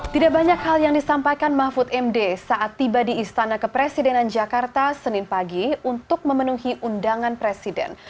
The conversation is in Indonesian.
tidak banyak hal yang disampaikan mahfud md saat tiba di istana kepresidenan jakarta senin pagi untuk memenuhi undangan presiden